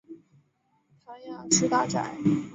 谭雅士大宅。